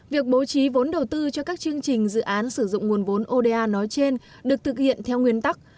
việc bố trí vốn đầu tư cho các chương trình dự án sử dụng nguồn vốn oda nói trên được thực hiện theo nguyên tắc